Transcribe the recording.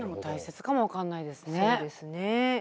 そうですね。